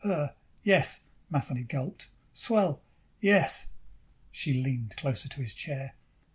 "Uh, yes." Matheny gulped. "Swell. Yes." She leaned closer to his chair.